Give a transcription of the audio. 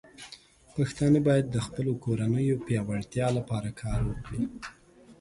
پښتانه بايد د خپلو کورنيو پياوړتیا لپاره کار وکړي.